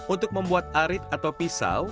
untuk membuat arit atau pisau